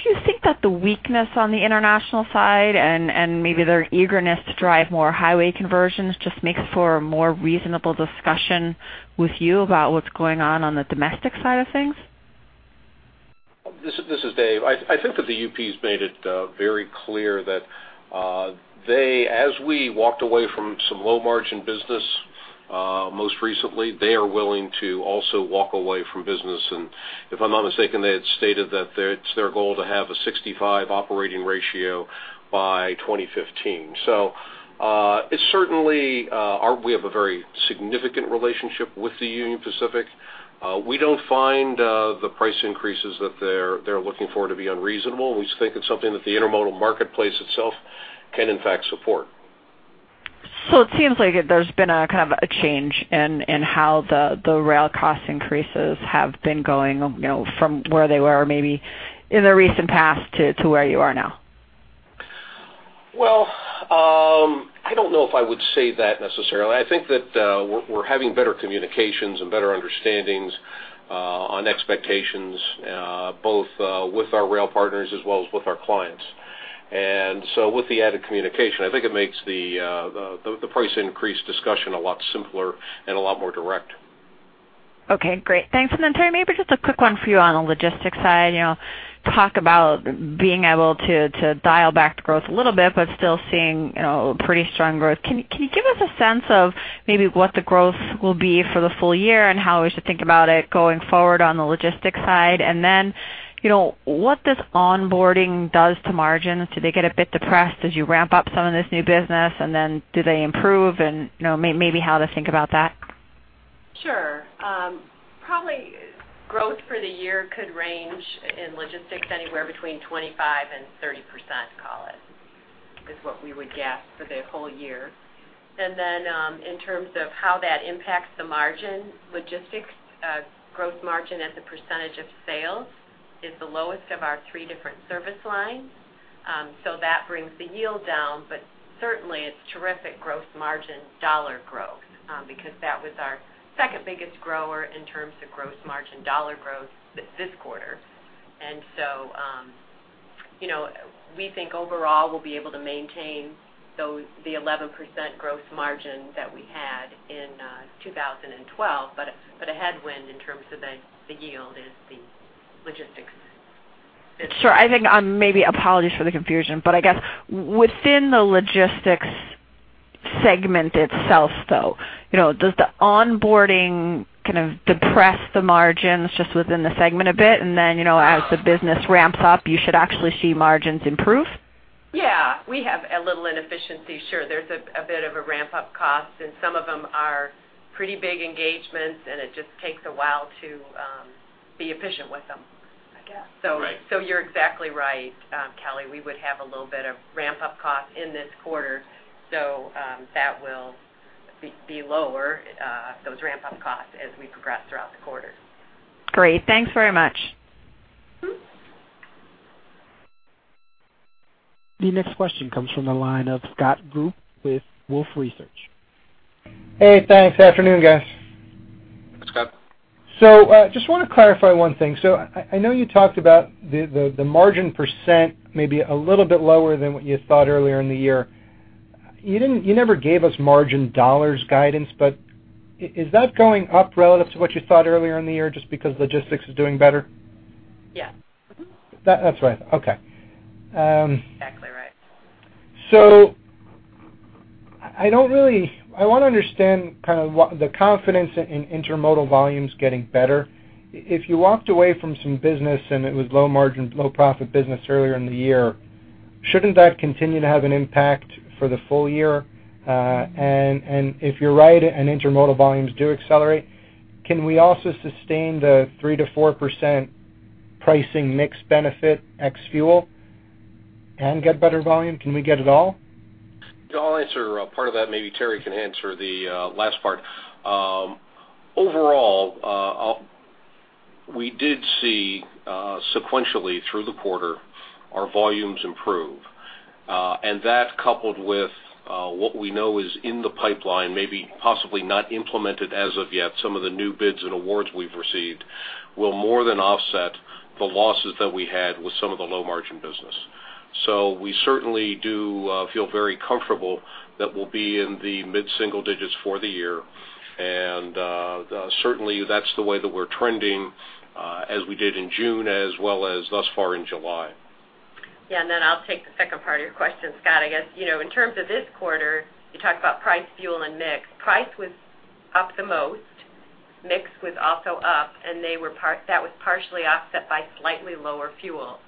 Do you think that the weakness on the international side and, and maybe their eagerness to drive more highway conversions just makes for a more reasonable discussion with you about what's going on on the domestic side of things? This is Dave. I think that the UP has made it very clear that they, as we walked away from some low-margin business, most recently, they are willing to also walk away from business, and if I'm not mistaken, they had stated that it's their goal to have a 65 operating ratio by 2015. So, it's certainly our we have a very significant relationship with the Union Pacific. We don't find the price increases that they're looking for to be unreasonable. We think it's something that the intermodal marketplace itself can, in fact, support. It seems like there's been a kind of a change in how the rail cost increases have been going, you know, from where they were, maybe in the recent past to where you are now. Well, I don't know if I would say that necessarily. I think that we're having better communications and better understandings on expectations both with our rail partners as well as with our clients. And so with the added communication, I think it makes the price increase discussion a lot simpler and a lot more direct. Okay, great. Thanks. And then, Terri, maybe just a quick one for you on the logistics side. You know, talk about being able to, to dial back the growth a little bit, but still seeing, you know, pretty strong growth. Can you, can you give us a sense of maybe what the growth will be for the full year and how we should think about it going forward on the logistics side? And then, you know, what this onboarding does to margins? Do they get a bit depressed as you ramp up some of this new business, and then do they improve? And, you know, may- maybe how to think about that. Sure. Probably growth for the year could range in logistics anywhere between 25%-30%, call it, is what we would guess for the whole year. And then, in terms of how that impacts the margin, logistics, gross margin as a percentage of sales is the lowest of our three different service lines. So that brings the yield down, but certainly it's terrific gross margin dollar growth, because that was our second biggest grower in terms of gross margin dollar growth this quarter. And so, you know, we think overall, we'll be able to maintain the 11% gross margin that we had in 2012, but a headwind in terms of the yield is the logistics. Sure. I think my apologies for the confusion, but I guess within the logistics segment itself, though, you know, does the onboarding kind of depress the margins just within the segment a bit, and then, you know, as the business ramps up, you should actually see margins improve? Yeah, we have a little inefficiency. Sure. There's a bit of a ramp-up cost, and some of them are pretty big engagements, and it just takes a while to be efficient with them, I guess. Right. So you're exactly right, Kelly, we would have a little bit of ramp-up cost in this quarter, so that will be lower, those ramp-up costs as we progress throughout the quarter. Great. Thanks very much. Mm-hmm. The next question comes from the line of Scott Group with Wolfe Research. Hey, thanks. Afternoon, guys. Hi, Scott. Just want to clarify one thing. I know you talked about the margin percent may be a little bit lower than what you thought earlier in the year. You didn't, you never gave us margin dollars guidance, but is that going up relative to what you thought earlier in the year just because logistics is doing better? Yes. That's right. Okay. Exactly right. So, I don't really... I want to understand kind of what the confidence in intermodal volumes getting better. If you walked away from some business and it was low margin, low profit business earlier in the year, shouldn't that continue to have an impact for the full year? And if you're right and intermodal volumes do accelerate, can we also sustain the 3%-4% pricing mix benefit ex-fuel and get better volume? Can we get it all? I'll answer part of that. Maybe Terri can answer the last part. Overall, we did see sequentially through the quarter, our volumes improve. And that, coupled with what we know is in the pipeline, maybe possibly not implemented as of yet, some of the new bids and awards we've received, will more than offset the losses that we had with some of the low-margin business. So we certainly do feel very comfortable that we'll be in the mid-single digits for the year. And certainly, that's the way that we're trending as we did in June as well as thus far in July. Yeah, and then I'll take the second part of your question, Scott. I guess, you know, in terms of this quarter, you talked about price, fuel, and mix. Price was up the most. Mix was also up, and that was partially offset by slightly lower fuel.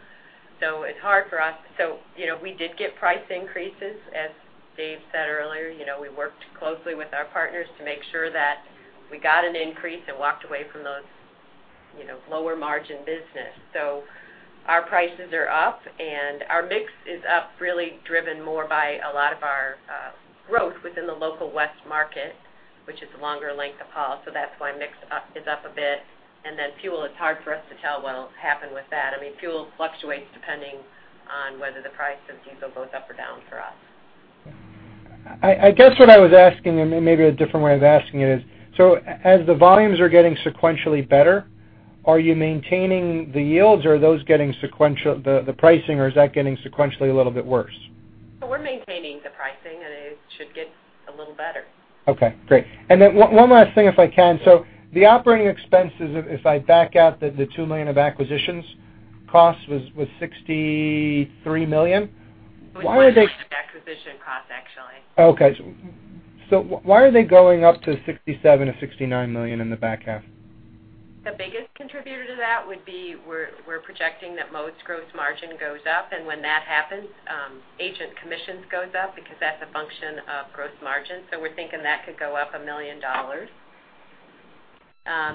So it's hard for us. So, you know, we did get price increases. As Dave said earlier, you know, we worked closely with our partners to make sure that we got an increase and walked away from those, you know, lower margin business. So our prices are up, and our mix is up, really driven more by a lot of our growth within the local West market, which is a longer length of haul. So that's why mix is up a bit. And then fuel, it's hard for us to tell what'll happen with that. I mean, fuel fluctuates depending on whether the price of diesel goes up or down for us. I guess what I was asking, and maybe a different way of asking it, is: so as the volumes are getting sequentially better, are you maintaining the yields, or are those getting sequential, the pricing, or is that getting sequentially a little bit worse? We're maintaining the pricing, and it should get a little better. Okay, great. And then one last thing, if I can. So the operating expenses, if I back out the $2 million of acquisitions costs, was $63 million? Why are they- It was acquisition costs, actually. Okay. Why are they going up to $67 million-$69 million in the back half? The biggest contributor to that would be we're projecting that Mode's gross margin goes up, and when that happens, agent commissions goes up because that's a function of gross margin. So we're thinking that could go up $1 million.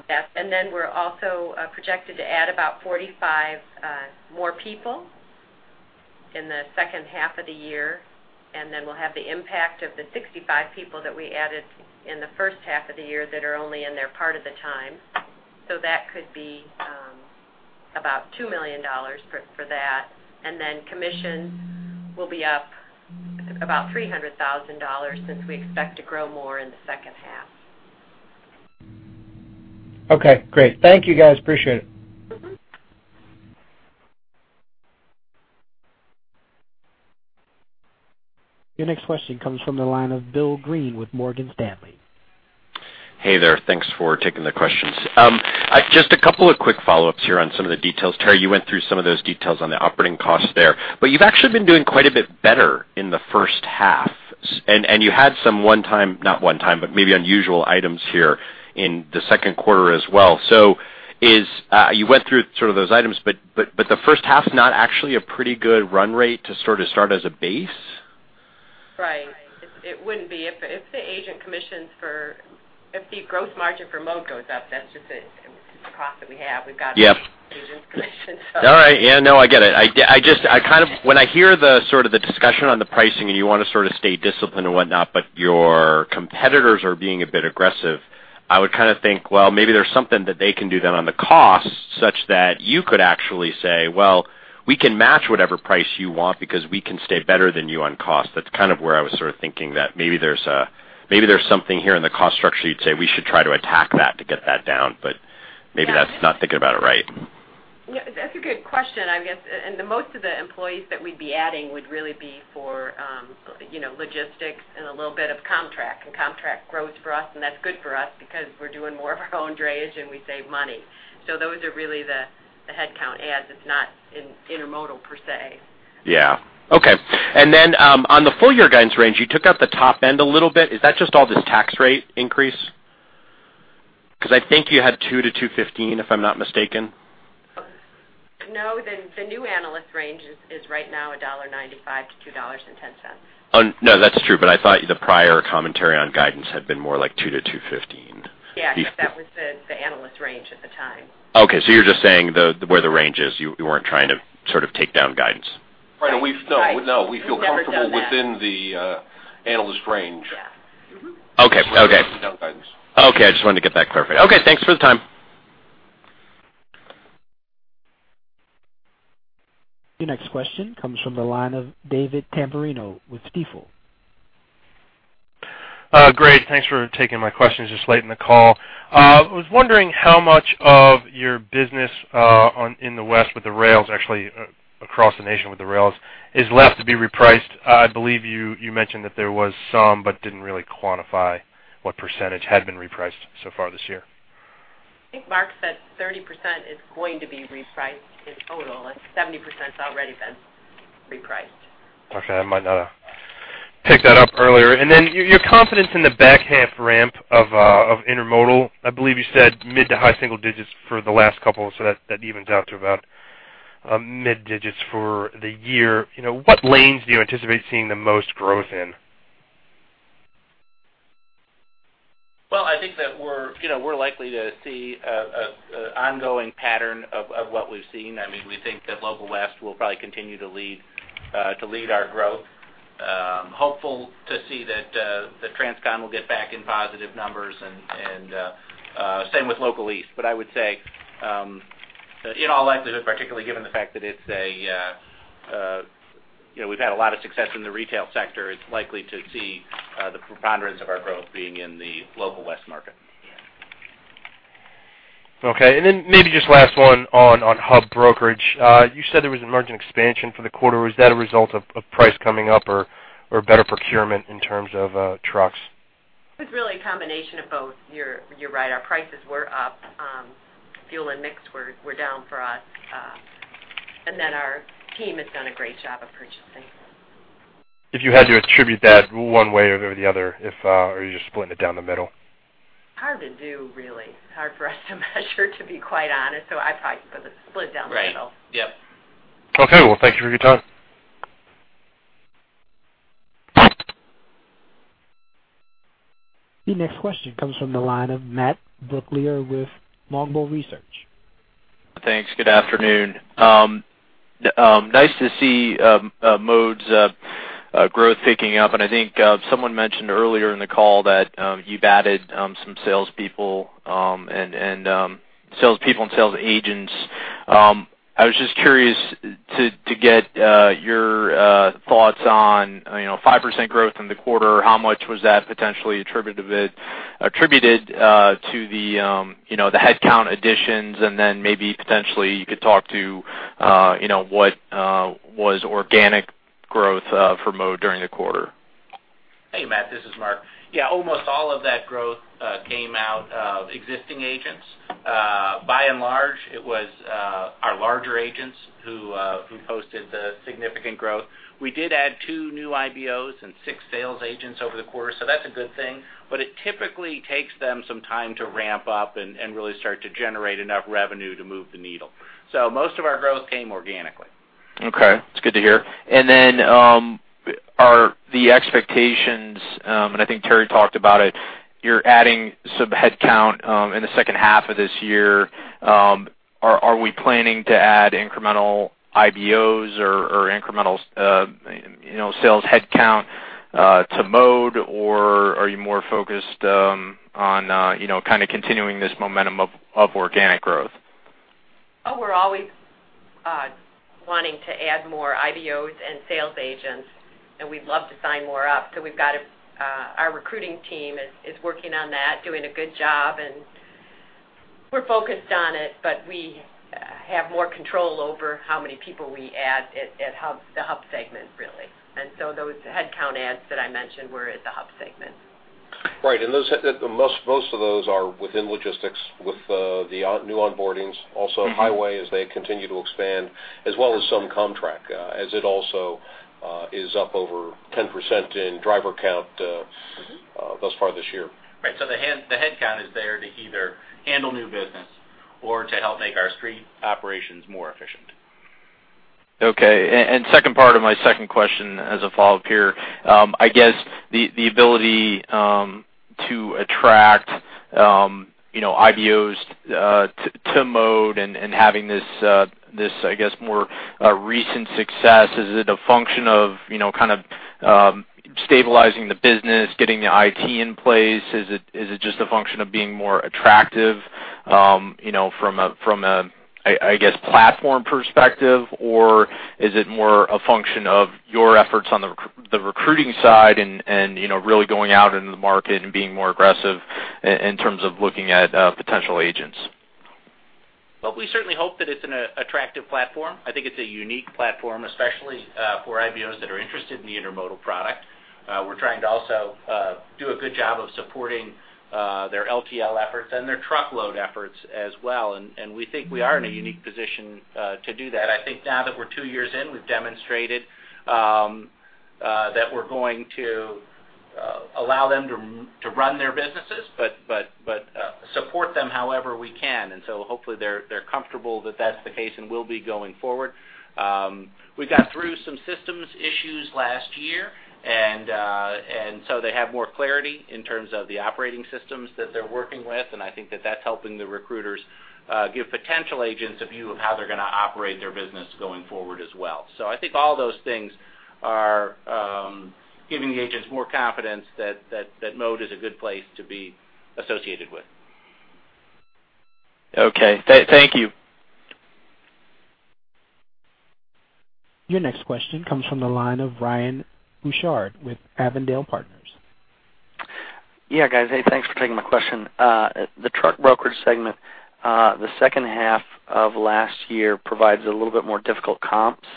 That, and then we're also projected to add about 45 more people in the second half of the year, and then we'll have the impact of the 65 people that we added in the first half of the year that are only in there part of the time. So that could be about $2 million for that. And then commission will be up about $300,000 since we expect to grow more in the second half. Okay, great. Thank you, guys. Appreciate it. Mm-hmm. Your next question comes from the line of Bill Greene with Morgan Stanley. Hey there. Thanks for taking the questions. I've just a couple of quick follow-ups here on some of the details. Terri, you went through some of those details on the operating costs there, but you've actually been doing quite a bit better in the first half, and you had some one-time, not one-time, but maybe unusual items here in the second quarter as well. So, you went through sort of those items, but the first half's not actually a pretty good run rate to sort of start as a base? Right. It wouldn't be. If the growth margin for Mode goes up, that's just a cost that we have. Yep. We've got agent commissions, so- All right. Yeah, no, I get it. I just, I kind of, when I hear the sort of the discussion on the pricing, and you want to sort of stay disciplined and whatnot, but your competitors are being a bit aggressive, I would kind of think, well, maybe there's something that they can do then on the cost, such that you could actually say, "Well, we can match whatever price you want because we can stay better than you on cost." That's kind of where I was sort of thinking, that maybe there's a, maybe there's something here in the cost structure you'd say we should try to attack that to get that down, but maybe that's- Yeah. not thinking about it right. Yeah, that's a good question. I guess, and most of the employees that we'd be adding would really be for, you know, logistics and a little bit of contract. And contract grows for us, and that's good for us because we're doing more of our own drayage, and we save money. So those are really the headcount adds. It's not in Intermodal, per se. Yeah. Okay. And then, on the full year guidance range, you took out the top end a little bit. Is that just all the tax rate increase? 'Cause I think you had $2-$2.15, if I'm not mistaken. No, the new analyst range is right now $1.95-$2.10. No, that's true, but I thought the prior commentary on guidance had been more like $2-$2.15. Yeah, that was the analyst range at the time. Okay, so you're just saying where the range is. You weren't trying to sort of take down guidance? Right. No. Right. No, we feel comfortable- We've never done that. - within the, analyst range. Yeah. Mm-hmm. Okay. Okay. Down guidance. Okay, I just wanted to get that clear. Okay, thanks for the time. Your next question comes from the line of David Tamberino with Stifel. Great, thanks for taking my questions this late in the call. I was wondering how much of your business, in the West, with the rails, actually across the nation with the rails, is left to be repriced? I believe you mentioned that there was some, but didn't really quantify what percentage had been repriced so far this year. I think Mark said 30% is going to be repriced in total, and 70%'s already been repriced. Okay, I might not have picked that up earlier. Then your, your confidence in the back half ramp of of Intermodal, I believe you said mid- to high-single digits for the last couple, so that, that evens out to about mid-digits for the year. You know, what lanes do you anticipate seeing the most growth in? Well, I think that we're, you know, we're likely to see an ongoing pattern of what we've seen. I mean, we think that local West will probably continue to lead our growth. Hopeful to see that transcon will get back in positive numbers and same with local East. But I would say, in all likelihood, particularly given the fact that it's, you know, we've had a lot of success in the retail sector, it's likely to see the preponderance of our growth being in the local West market. Yeah. Okay, and then maybe just last one on Hub brokerage. You said there was a margin expansion for the quarter. Was that a result of price coming up or better procurement in terms of trucks? It's really a combination of both. You're right, our prices were up. Fuel and mix were down for us. And then our team has done a great job of purchasing.... If you had to attribute that one way or the other, if, or you're just splitting it down the middle? Hard to do, really. Hard for us to measure, to be quite honest. So I'd probably put it split down the middle. Right. Yep. Okay. Well, thank you for your time. The next question comes from the line of Matt Brooklier with Longbow Research. Thanks. Good afternoon. Nice to see Mode's growth picking up, and I think someone mentioned earlier in the call that you've added some salespeople and sales agents. I was just curious to get your thoughts on, you know, 5% growth in the quarter. How much was that potentially attributed to it, attributed to the, you know, the headcount additions, and then maybe potentially you could talk to, you know, what was organic growth for Mode during the quarter? Hey, Matt, this is Mark. Yeah, almost all of that growth came out of existing agents. By and large, it was our larger agents who posted the significant growth. We did add 2 new IBOs and 6 sales agents over the course, so that's a good thing, but it typically takes them some time to ramp up and really start to generate enough revenue to move the needle. So most of our growth came organically. Okay, that's good to hear. Then, are the expectations, and I think Terri talked about it, you're adding some headcount in the second half of this year. Are we planning to add incremental IBOs or incremental, you know, sales headcount to Mode, or are you more focused on, you know, kind of continuing this momentum of organic growth? Oh, we're always wanting to add more IBOs and sales agents, and we'd love to sign more up. So we've got our recruiting team is working on that, doing a good job, and we're focused on it, but we have more control over how many people we add at Hub, the Hub segment, really. And so those headcount adds that I mentioned were at the Hub segment. Right. And those, most of those are within logistics with the new onboardings, also. Mm-hmm. Highway, as they continue to expand, as well as some contract, as it also, is up over 10% in driver count, Mm-hmm - Thus far this year. Right. So the headcount is there to either handle new business or to help make our street operations more efficient. Okay. And second part of my second question, as a follow-up here, I guess the ability to attract, you know, IBOs to Mode and having this, I guess, more recent success, is it a function of, you know, kind of, stabilizing the business, getting the IT in place? Is it just a function of being more attractive, you know, from a platform perspective? Or is it more a function of your efforts on the recruiting side and, you know, really going out into the market and being more aggressive in terms of looking at potential agents? Well, we certainly hope that it's an attractive platform. I think it's a unique platform, especially for IBOs that are interested in the intermodal product. We're trying to also do a good job of supporting their LTL efforts and their truckload efforts as well, and we think we are in a unique position to do that. I think now that we're two years in, we've demonstrated that we're going to allow them to run their businesses, but support them however we can. And so hopefully they're comfortable that that's the case and will be going forward. We got through some systems issues last year, and so they have more clarity in terms of the operating systems that they're working with, and I think that that's helping the recruiters give potential agents a view of how they're going to operate their business going forward as well. So I think all those things are giving the agents more confidence that Mode is a good place to be associated with. Okay. Thank you. Your next question comes from the line of Ryan Bouchard with Avondale Partners. Yeah, guys. Hey, thanks for taking my question. The truck brokerage segment, the second half of last year, provides a little bit more difficult comps.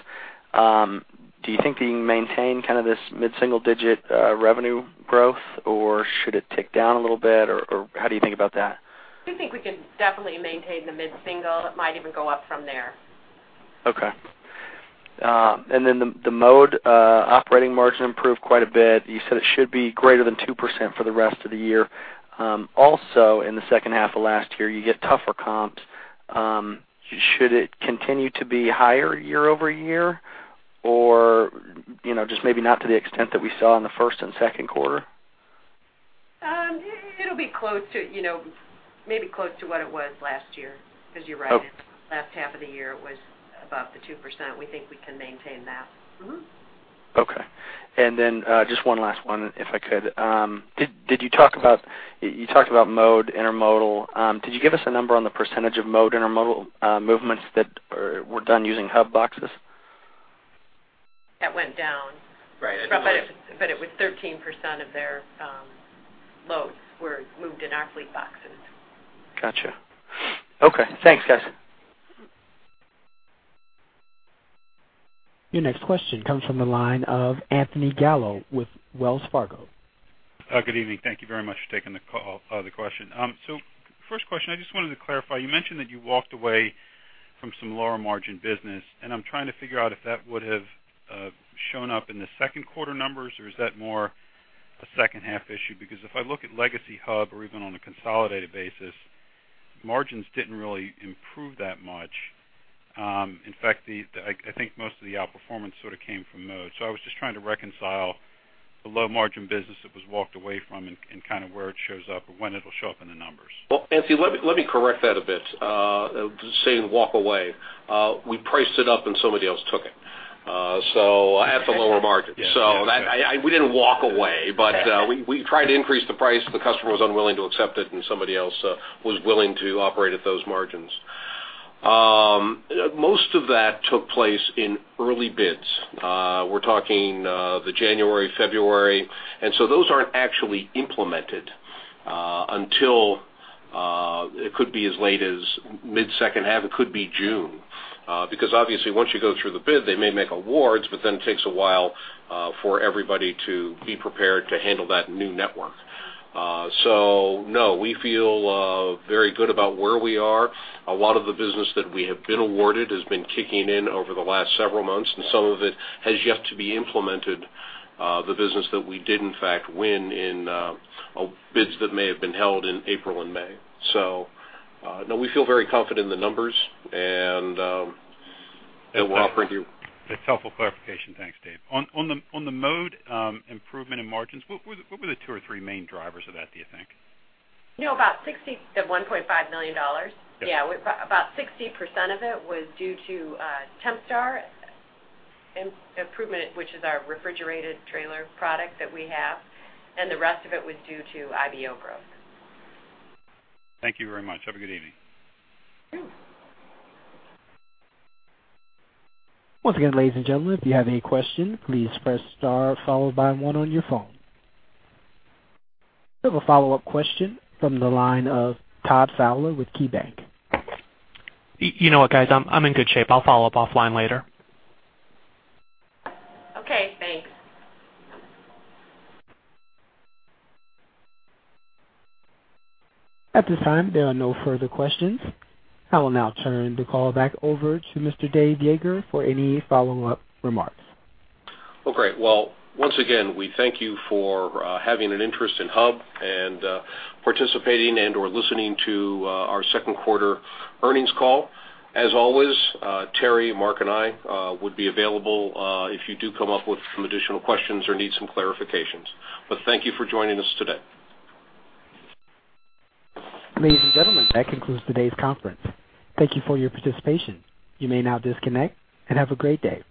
Do you think that you can maintain kind of this mid-single digit revenue growth, or should it tick down a little bit, or how do you think about that? We think we can definitely maintain the mid-single. It might even go up from there. Okay. And then the Mode operating margin improved quite a bit. You said it should be greater than 2% for the rest of the year. Also, in the second half of last year, you get tougher comps. Should it continue to be higher year-over-year, or, you know, just maybe not to the extent that we saw in the first and second quarter? It'll be close to, you know, maybe close to what it was last year, because you're right. Okay. Last half of the year was about the 2%. We think we can maintain that. Mm-hmm. Okay. And then, just one last one, if I could. Did you talk about... You talked about Mode Intermodal. Did you give us a number on the percentage of Mode Intermodal movements that are, were done using Hub boxes? That went down. Right. But it was 13% of their loads were moved in our fleet boxes. Gotcha. Okay. Thanks, guys. Your next question comes from the line of Anthony Gallo with Wells Fargo.... Good evening. Thank you very much for taking the call, the question. So first question, I just wanted to clarify, you mentioned that you walked away from some lower margin business, and I'm trying to figure out if that would have shown up in the second quarter numbers, or is that more a second half issue? Because if I look at legacy Hub or even on a consolidated basis, margins didn't really improve that much. In fact, I think most of the outperformance sort of came from Mode. So I was just trying to reconcile the low margin business that was walked away from and kind of where it shows up and when it'll show up in the numbers. Well, Anthony, let me, let me correct that a bit. Saying walk away, we priced it up and somebody else took it, so at the lower margin. Yes. So we didn't walk away, but we tried to increase the price. The customer was unwilling to accept it, and somebody else was willing to operate at those margins. Most of that took place in early bids. We're talking the January, February, and so those aren't actually implemented until it could be as late as mid-second half. It could be June because obviously, once you go through the bid, they may make awards, but then it takes a while for everybody to be prepared to handle that new network. So no, we feel very good about where we are. A lot of the business that we have been awarded has been kicking in over the last several months, and some of it has yet to be implemented, the business that we did in fact win in, bids that may have been held in April and May. So, no, we feel very confident in the numbers, and, and we're offering you- That's helpful clarification. Thanks, Dave. On the Mode improvement in margins, what were the two or three main drivers of that, do you think? No, about 60, the $1.5 million? Yeah, about 60% of it was due to TempStack improvement, which is our refrigerated trailer product that we have, and the rest of it was due to IBO growth. Thank you very much. Have a good evening. Sure. Once again, ladies and gentlemen, if you have any questions, please press star followed by one on your phone. We have a follow-up question from the line of Todd Fowler with KeyBanc. You know what, guys? I'm in good shape. I'll follow up offline later. Okay, thanks. At this time, there are no further questions. I will now turn the call back over to Mr. Dave Yeager for any follow-up remarks. Well, great. Well, once again, we thank you for having an interest in Hub and participating and/or listening to our second quarter earnings call. As always, Terri, Mark, and I would be available if you do come up with some additional questions or need some clarifications. But thank you for joining us today. Ladies and gentlemen, that concludes today's conference. Thank you for your participation. You may now disconnect and have a great day.